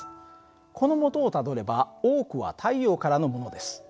このもとをたどれば多くは太陽からのものです。